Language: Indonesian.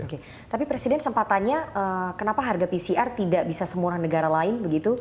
oke tapi presiden sempat tanya kenapa harga pcr tidak bisa semurah negara lain begitu